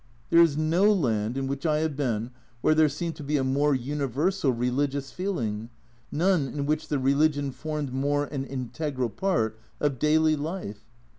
There is no land in which I have been where there seemed to be a more universal religious feeling, none in which the religion formed more an integral part of daily life.